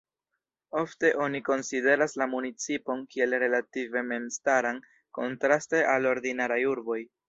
Ofte oni konsideras la municipon kiel relative memstaran, kontraste al ordinaraj urboj.